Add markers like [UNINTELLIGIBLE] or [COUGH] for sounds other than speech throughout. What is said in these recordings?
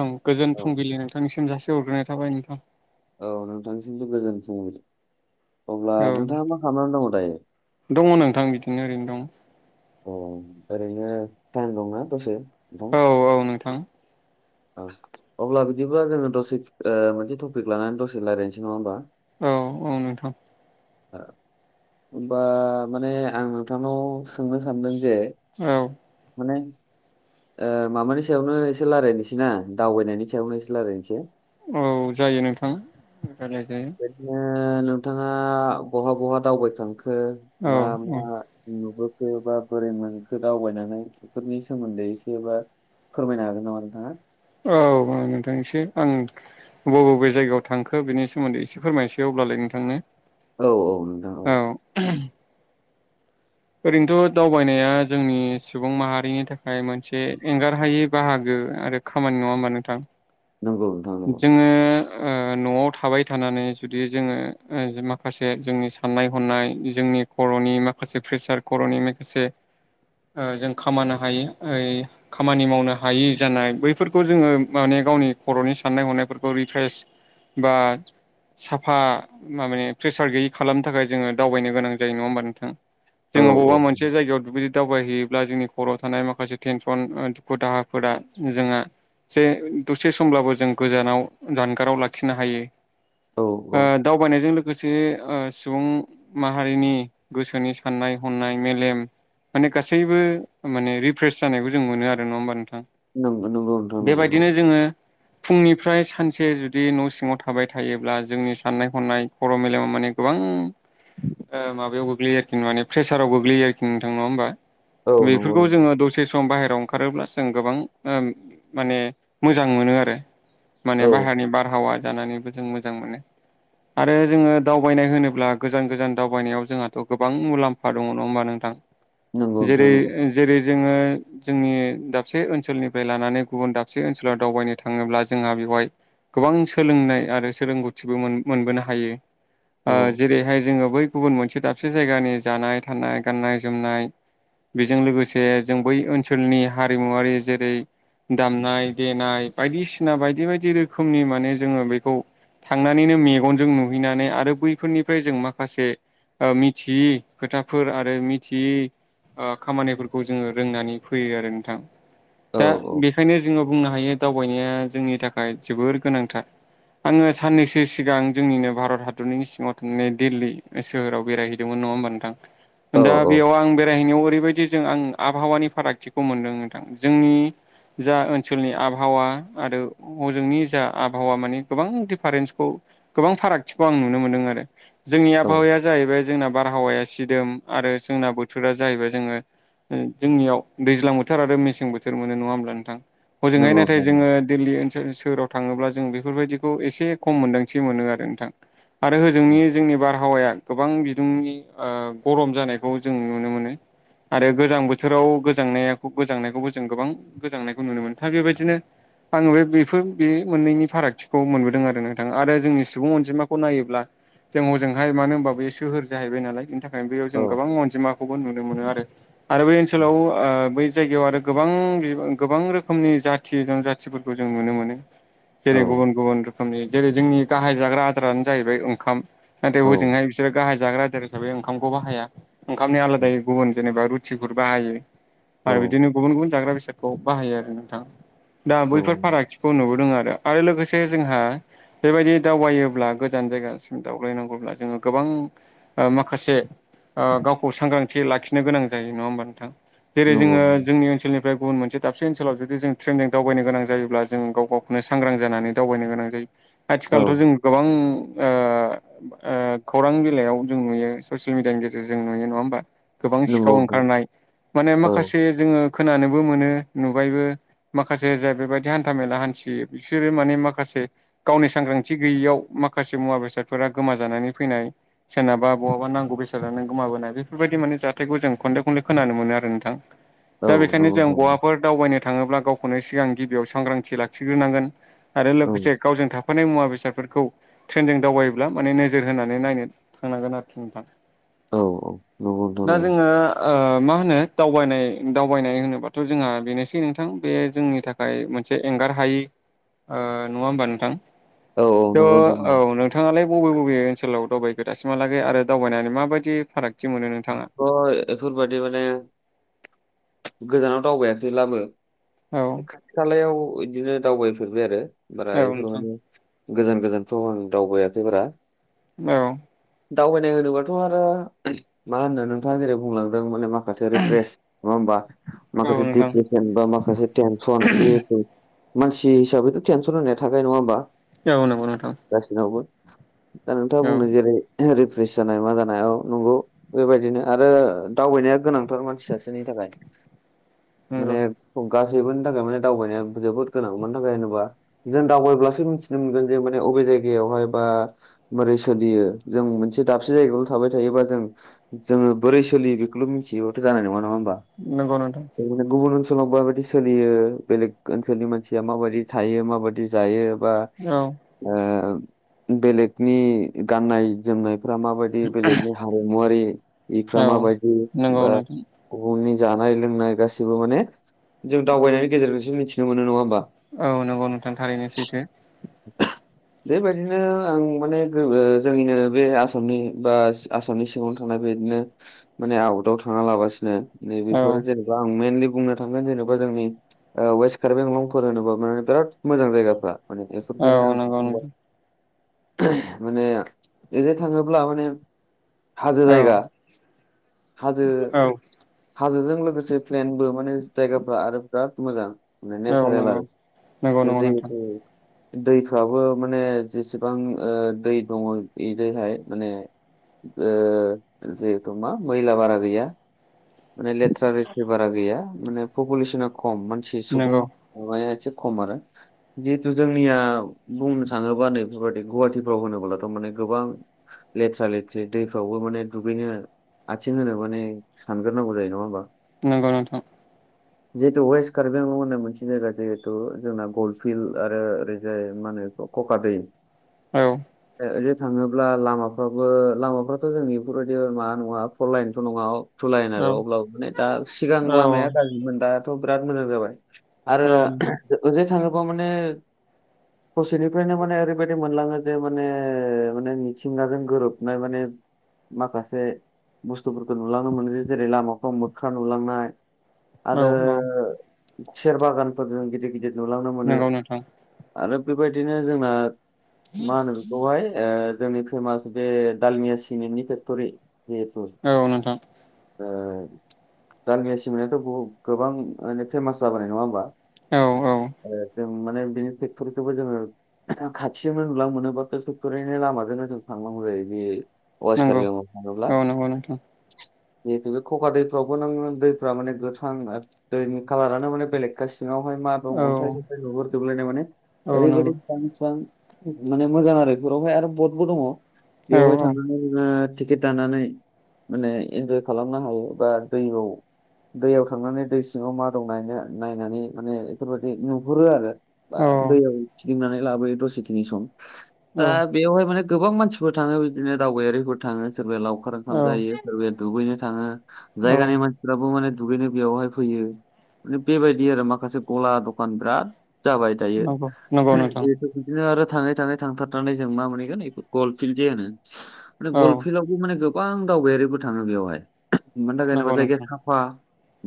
ओं गोजोन औ फुंबिलि नोंथांनिसिम जासि हरग्रोनाय थाबाय नोंथां। औ नोंथांनिसिमबो गोजोन फुंबिलि अब्ला औ नोंथाङा मा खालामना दङ दायो? दङ नोंथां बिदिनो ओरैनो दं। अ ओरैनो टाइम दंना दसे औ औ नोंथां। औ अब्ला बिदिबा जोङो दसे ओ मोनसे टपिक लानानै दसे रालायनोसै नङा होमबा? औ औ नोंथां। ओ होनबा माने आं नोंथांनाव सोंनो सानदों जे औ माने ओ माबानि सायावनो एसे रायलायनोसैना दावबायनायनि सायावनो एसे रालायनोसै। औ जायो नोंथां रायलाय जायो। बिदिनो नोंथाङा बहा बहा दावबायखांखो औ मा मा नुबोखो बा बोरै मोनखो दावबायनानै बेफोरनि सोमोन्दै एसे बा फोरमायनो हागोन नामा नोंथाङा? औ ओं नोंथां एसे आं बबे बबे जायगायाव थांखो बिनि सोमोन्दै एसे फोरमायसैयो अब्लालाय नोंथांनो। औ औ नोंथां औ। औ। ओरैनोथ' दावबायनाया जोंनि सुबुं माहारिनि थाखाय मोनसे एंगार हायै बाहागो आरो खामानि नङा होमबा नोंथां? नंगौ नोंथां नंगौ जोङो ओ न'आव थाबाय थानानै जुदि जोङो ओ माखासे जोंनि साननाय हनाय जोंनि खर'नि माखासे प्रेसार खर'नि माखासे ओ जों खामानो हायि ओ खामानि मावनो हायि जानाय बैफोरखौ जोङो माने गावनि खर'नि साननाय हनायफोरखौ रिफ्रेस बा साफा माने प्रेसार गैयि खालामनो थाखाय जोङो दावबायनो गोनां जायो नङा होमबा नोंथां? औ जोङो अबावबा मोनसे जायगायाव दुगै दावबायहैयोब्ला जोंनि खर'आव थानाय माखासे टेनसन ओ दुखु दाहाफोरा जोंहा जे दसे समब्लाबो जों गोजानाव जानगाराव लाखिनो हायो। औ औ ओ दावबायनायजों लोगोसे ओ सुबुं माहारिनि गोसोनि साननाय हनाय मेलेम माने गासैबो माने रिफ्रेस जानायखौ जों मोनो आरो नङा होमबा नोंथां? नंगौ नंगौ नोंथां नंगौ नंगौ बेबायदिनो जोङो फुंनिफ्राय सानसे जुदि न' सिङाव थाबाय थायोब्ला जोंनि साननाय हनाय खर' मेलेमाव माने गोबां ओ माबायाव गोग्लैयो आरो। माने प्रेसाराव गोग्लैयो आरोखि नोंथां नङा होमबा? बेफोरखौ जोङो दस से सम बाहेरायाव ओंखारोब्ला जों गोबां ओ माने मोजां मोनो आरो। माने औ बाहेरनि बारहावा जानानैबो जों मोजां मोनो, आरो जोङो दावबायनाय होनोब्ला गोजान गोजान दावबायनायाव जोंहाथ' गोबां मुलाम्फा दङ नङा होमबा नोंथां? नंगौ जेरै नंगौ औ नंगौ नोंथां नंगौ जेरै जोङो जोंनि दाबसे ओनसोलनिफ्राय लानानै गुबुन दाबसे ओनसोलाव दावबायनो थाङोब्ला जोंहा बेवहाय गोबां सोलोंनाय आरो सोरोगौथिबो मोनबोनो हायो। औ ओ जेरैहाय जोङो बै गुबुन मोनसे दाबसे जायगानि जानाय थानाय गाननाय जोमनाय बेजों लोगोसे जों बै ओनसोलनि हारिमुवारि जेरै दामनाय देनाय बायदिसिना बायदि बायदि रोखोमनि माने जोङो बेखौ थांनानैनो मेगनजों नुहैनानै आरो बैफोरनिफ्राय जों माखासे मिथियै खोथाफोर आरो मिथियै ओ खामानिफोरखौ जोङो रोंनानै फैयो आरो नोंथां औ दा बेखायनो जोङो बुंनो हायो दावबायनाया जोंनि थाखाय जोबोर गोनांथार आङो साननैसो सिगां जोंनिनो भारत हादरनि सिङाव थानाय दिल्ली सोहोराव बेरायहैदोंमोन नङा होमबा औ नोंथां दा औ बेयाव आं बेरायहैनायाव ओरैबायदि जों आं आबहावानि फारागथिखौ मोनदों नोंथां जोंनि जा ओनसोलनि आबहावा आरो हजोंनि जा आबहावा माने गोबां दिफारेन्सखौ गोबां फारागथिखौ आं नुनो मोनदों आरो जोंनि औ आबहावाया जाहैबाय जोंना बारहावाया सिदोम आरो जोंना बोथोरा जाहैबाय जोङो ओ जोंनियाव दैज्लां बोथोर आरो मेसें बोथोर मोनो नङा होमब्ला नोंथां। हजोंहाय नंगौ नाथाय नोंथां जोङो दिल्ली ओनसोल सोहोराव थाङोब्ला जों बेफोरबायदिखौ एसे खम मोनदांथि मोनो आरो नोंथां। आरो होजोंनि जोंनि बारहावाया गोबां बिदुंनि ओ गरम जानायखौ जों नुनो मोनो आरो गोजां बोथोराव गोजांनाया गोजांनायखौबो जों गोबां गोजांनायखौ नुनो मोनो था बेबायदिनो आङो बे बेफोर बे मोननैनि फारागथिखौ मोनबोदों आरो नोंथां आरो जोंनि सुबुं अनजिमाखौ नायोब्ला जों हजोंहाय मानो होनबा बे सोहोर जाहैबाय नालाय बेनि थाखायनो बेयाव औ जों गोबां अनजिमाखौबो नुनो मोनो आरो आरो बै ओनसोलाव ओ बै जायगायाव आरो गोबां बिबां गोबां रोखोमनि जाथि जनजाथिफोरखौ जों नुनो मोनो औ जेरै गुबुन गुबुन रो खोमनि जेरै जोंनि गाहाय जाग्रा आदारानो जाहैबाय ओंखाम नाथाय औ हजोंहाय बि बिसोरो गाहाय जाग्रा आदार हिसाबै ओंखामखौ बाहाया ओंखामनि आलादायै गुबुन जेनेबा रुथिफोर बाहायो। औ आरो बिदिनो गुबुन गुबुन जाग्रा बेसादखौ बाहायो आरो नोंथां। दा नंगौ बैफोर फारागथिखौ नुबोदों आरो आरो लोगोसे जोंहा बेबायदि दावबायोब्ला गोजान जायगासिम दावबायनांगौब्ला जोङो गोबां माखासे ओ गावखौ सांग्रांथि लाखिनो गोनां जायो नङा होमबा नोंथां जेरै नंगौ जोङो जोंनि ओनसोलनिफ्राय गुबुन मोनसे दाबसे ओनसोलाव जुदि जों ट्रेइन जों दावबायनो गोनां जायोब्ला जों गावखौनो सांग्रां जानानै दावबायनो गोनां जायो औ आथिखालथ' जों गोबां ओ ओ खौरां बिलाायाव जों नुयो ससियेल मिडियानि गेजेरजों नुयो नङा होमबा गोबां नंगौ सिखाव नोंथां ओंखारनाय माने औ माखासे जोङो खोनानोबो मोनो नुबायबो माखासे जाय बेबायदि हान्था मेला हान्थियो बिसोरो माने माखासे गावनि सांग्रांथि गैयियाव माखासे मुवा बेसादफोरा गोमाजानानै फैनाय सोरनाबा बहाबा नांगौ बेसादानो गोमाबोनाय बेफोरबायदि माने जाथायखौ जों खनले खनले खोनानो मोनो आरो नोंथां लांदां दा बेखायनो जों बहाफोर दावबायनो थाङोब्ला गावखौनो सिगां गिबियाव सांग्रांथि लाखिग्रोनांगोन आरो औ लोगोसे गावजों थाफानाय मुवा बेसादफोरखौ ट्रेइनजों दावायोब्ला माने नोजो जोर होनानै नायनो थांनांगोन आरोखि नोंथां औ औ नंगौ नोंथां दा नंगौ जोङो ओ मा होनो दावबायनाय दावबायनाय होनोबाथ' जोंहा बेनोसै नोंथां बे जोंनि था खाय मोनसे एंगार हायि ओ नङा होमबा नोंथां औ औ थ' नंगौ नोंथां औ नंगौ नोंथाङालाय बबे बबे बबे ओनसोलाव दावबायखो दासिमहालागै आरो दावबायनानै माबायदि फारागथि मोनो नोंथाङा? ओ बेफोर बायदि माने गोजानाव दावबायाखैब्लाबो औ खाथि खालायाव बिदिनो दावबायफेरबाय आरो बारा औ बेफोराव नोंथां माने गोजान गोजानथ' आं दावबायाखै बारा औ दावबायनाय होनोबाथ' आरो मा होनो नोंथाङा जेरै बुंलांदों माने मा माखासे रिप्रेस नङा होमबा औ माखासे नोंथां दिेस जेनेबा माखासे टेनसन जिहेथु मानसि हिसाबैथ' टेनसन होनाय थाखाय नङा होमबा? औ नंगौ नोंथां। गासिनावबो दा नोंथाङा औ बुंनो जेरै रिफ्रेस जानाय मा जानायाव नंगौ। बेबायदिनो आरो दावबायनाया गोनांथार मानसि ससेोनि थाखाय माने नंगौ गासैबोनि थाखाय माने दावबायनाया जोबोद गोनां मानि थाखाय होनोबा जों दावबायब्लासो मिथिनो मोनगोन जे माने अबे जायगायावहाय बा माबोरै सोलियो जों मोनसे दाबसे जायगायावल थाबाय थायोबा जों जोङो बोरै सोलि बेखौल' मिथियोाथ' जानाय नङा नङा होमबा? नंगौ नोंथां। गुबुन ओनसोलाव माबायदि सोलियो बेलेग ओनसोलनि मानसिया माबायदि थायो माबायदि जायो बा औ ओ बेलेगनि गाननाय जोमनायफ्रा माबायदि बेलेगनि हारिमुवारि इफ्रा औ माबायदि नंगौ बा नोंथां बुहुमनि जानाय लोंनाय गाससिबो माने जों दावबायनायनि गेजेरजोंसो मिथिनो मोनो नङा होमबा औ नंगौ नोंथां थारैनो सैथो। बेबायदिनो आं माने जोंनिनो बे आसामनि बा आसामनि सिङावनो थानाय बेदिनो माने आवदाव थांना लागासिनो नै औ बेफोर जेन आं मेनलि बुंनो थांगोन जेनेबा जोंनि ओ वेस्ट र्काबि-आलंफोर होनोबा मे बिराद मोजां जायगाफ्रा माने औ बेफोरजोंनो आं नंगौ बुंबाय। नोंथां माने ओनो थाङोब्ला माने हाजो औ जायगा हाजो औ हाजोजों लोगोसे प्लेनबो माने जायगाफ्रा आरो बिराद मोजां माने नंगौ नेचारेल नंगौ आरो नंगौ नोंथां जितु दैफ्राबो माने जेसेबां दै दङ बेजोंहाय माने ओ जिहेथु मा मैला बारा गैया माने लेथ्रा रेटि बारा गैया माने पपुलेसना खम मानसि सुबुं नंगौ माने एसे खम आरो जिहेथु जोंनिया बुंनो थाङोबा नैफोरबायदि गुवाहाटिफ्राव होनोब्लाथ' माने गोबां लेथ्रा लेथ्रि दैफ्रावबो माने दुगैनो आथिं होनो माने सानग्रोनांगौ जायो नङा होमबा? नंगौ नोंथां। [INAUDIBLE] जिहेतु वेस्ट कारलं होननाय मोनसे जायगा जिहेथु जोंना गलफिल्ड आरो ओरैजाय माहोनो खखा दै औ ओदिनो थाङोब्ला लामाफ्राबो लामाफ्राथ' जोंनि बेफोरबायदि मा नङा फललाइनथ' नङा थटुलायेन औ आरो अब्लाबो माने दा सिगां औ लामाया गाज्रिमोन दाथ' बिराद मोजां जाबाय आरो औ नोंथां ओजोंथाङोबा माने ससेनिफ्रायनो माने ओरैबायदि मोनलाङो जे माने माने मिथिंगाजों गोरोबनाय माने माखासे बुस्थुफोरखौ नुलाङनोमोन जेरै लामाफ्राव मोख्रा नुलांनाय औ आरो औ सेर बागानफोरजों गिदिर गिदिर नुलांनो मोनो। नंगौ नोंथां आरो बेबायदिनो जोंना मा होनो बेखौहाय जोंनि फेमास बे दालमिया सिमेन्टनि फेक्ट'रि जिहेतु औ नोंथां। दानांगिया सि मोननायाथ' गोबां माने फेमास जाबोनाय नङा होमबा? औ औ जों माने बिनि ट्रेक्ट'रिखौबो जोङो खाथियावनो नुलाां मोनोब्लााथ' टेक्टरैनि लामाजोंनो जों थांलांांगौ जायो बि कवेस्ट नंगौ कार्बि आंलं थाङोब्ला औ नंगौ नोंथां जिहेतु बे खखा दैफ्रावबो नोङो दैफ्रा माने गोथ्रां दैनि कालारानो माने बेलेग खासि सिङावहाय मा दं औ अन्थाइ सन्थाइ नुहुरजोबलायनाय माने औ नंगौ ओरैबायदि फां थिफां माने मोजां आरो [UNINTELLIGIBLE] रावहाय आरो बटबो दङ औ बेवहाय औ थांनानै नोङो टिकेट दानानै माने एन्जाय खालामनो हायो बा दैयाव दैयाव थांनानै दै सिङाव मा दं नायनो नायनानै माने बेफोरबादि नुहुरो आरो बा औ दैयाव खिदिंनानै लाबोयो दसेखिनि सम औ दा बेवहाय माने गोबां मानसिफोर थाङो बिदिनो दावबायारिफोर थाङो सोरबाया लावखार ओंखाम औ जायो सोरबाया दुगैनो थाङो औ जायगानि मान फ्राबो माने दुगैनो बेयावहाय फैयो माने बेबायदि आरो माखासे गला दखान बिराद जाबाय दायो नंगौ [UNINTELLIGIBLE] नंगौ नोंथां बिदिनो आरो थाङै थाङै थांथारनानै जों मा मोनहैगोन गल फिड जे होनो माने औ गल फिलाव माने गोबां दावबायारिबो थाङो बेवहाय [UNINTELLIGIBLE] मानि थाखाय होनोबा नंगौ जायगाया नोंथां साफा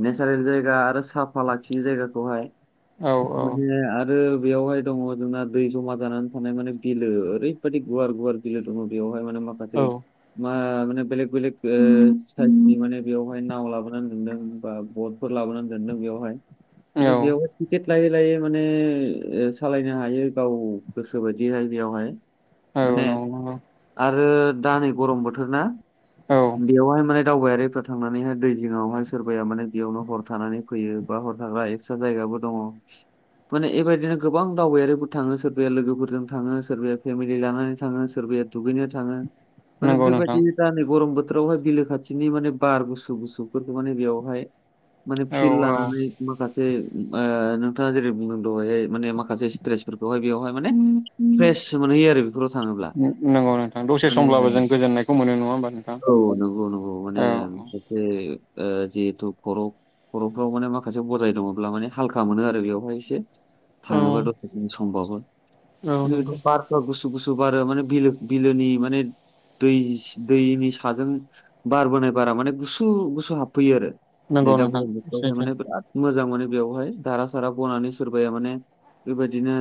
नेचारेल जायगा आरो साफा लाखियो जायगाखौहाय औ औ माने आरो बेयावहाय दङ जोंना दै जमा जानानै थानाय माने बिलो ओरैबायाददि गुवार गुवार बिलो दङ बेवहाय माने मा औ [UNINTELLIGIBLE] मा माने बेलग बेलेग [UNINTELLIGIBLE] माने बेवहाय नाव लाबोनानै दोनदों बा भटफोर लाबोनानै दोनदों बेवहाय [UNINTELLIGIBLE] बेवहाय नंगौ टिकेट लायै लायै माने सालायनो हायो गाव गोसो बायदिहाय बेयावहाय माने नंगौ आरो दा नै गरम बोथोर ना औ बेवहाय माने दावबायारिफ्रा थांनानैहाय दै जिङावहाय सोरबाया माने बेयावनो हर थानानै फैयो बा हर थाग्रा एक्स सो जायगाबो दङ माने एबायदिनो गोबां दावबायारिफोर थाङो सोरबाया लोगोफोरजों थाङो सोरबाया फेमिलि लानानै थाङो सोरबाया दुगैनो थाङो माने नंगौ नोंथां बेबायदि दा नै गरम बोथ बोथोरावहाय बिलो खाथिनि माने बार गुसु गुसुफोर माने बेयावहाय माने औ फिल्ड औ लानानै माखासे ओ नोंथाङा जेरै बुंदों दहायहाय माने माखासे थ्रेस फोरखौहाय बेवहाय माने फ्रेस मोनहैयो आरो बेफोराव थाङोब्ला नो नोंगौ नोंथां दसे माने समब्लाबो जों गोजोन्नायखौ मोनो नङा होमबा नो औ नोंगौ नोंगौ माने [UNINTELLIGIBLE] आ जिहितु खर खरफ्राव माने माखासे बजाय दङब्ला माने हालखा मोनो आरो बेवहाय इसे औ थाङोबा [UNINTELLIGIBLE] समबाबो नंगौ [UNINTELLIGIBLE] गुस गुसु बारो माने बिलो बिलोनि माने देसि दैनि थागोन बारबोनाय बारा माने गुसु गुसु हाबफैयो आरो नंगौ नैदा नोंथां गरम बोथोरावहाय सैथो माने बिराद मोजां माने बेयावहाय धारा सारा बनानै सोरबाया माने बेबायदिनो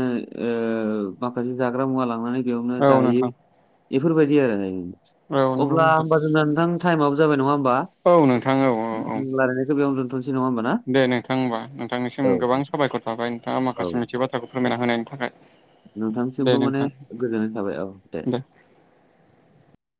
ओ माखासे जाग्रा मुवा लांनानै बेयावनो औ जाहैयो नोंथां एफोरबायदि आरो औ [UNINTELLIGIBLE] नंगौ अब्ला नोंथां जोंना नोंथां टाइमआबो जाबाय नङा होम औ नोंथां औ औ औ बेयावनो दोनथ'नोसै नङा होमबा ना दे नोंथां होमबा औ नोंथांनिसिम गोबां साबायखर थाबाय नोंथाङा औ माखासे मिथियि बाथ्राखौ फोरमायना होनायनि थाखाय दे नोंथांसिमबो माने नोंथां गोजोननाय थाबाय औ दे